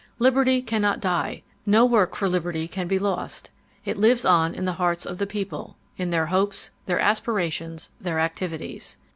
Liberty cannot die. No work for liberty can be lost. It lives on in the hearts of the people, in their hopes, their aspira tions, their activities.